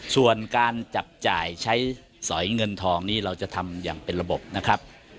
ส่วนการจับจ่ายใช้สอยเงินทองนี้เราจะทำอย่างเป็นระบบนะครับ